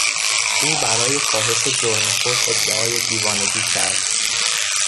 او برای کاهش جرم خود ادعای دیوانگی کرد.